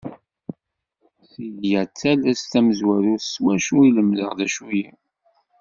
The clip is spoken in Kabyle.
Silya d tallest tamezwarut s wacu i lemdeɣ d acu-yi.